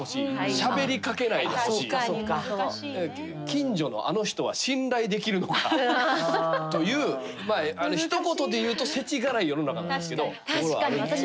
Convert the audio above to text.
近所のあの人は信頼できるのかというひと言で言うとせちがらい世の中なんですけど。